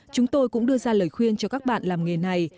chúng tôi cũng đưa ra lời khuyên cho các bạn làm nghề này